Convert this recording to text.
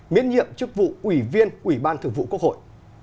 miễn nhiệm chức vụ ủy viên ủy ban thường vụ quốc hội